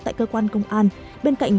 tại cơ quan công an bên cạnh